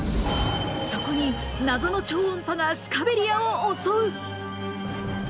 そこに謎の超音波がスカベリアを襲う！